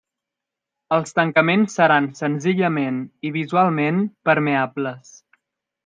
Els tancaments seran senzillament i visualment permeables.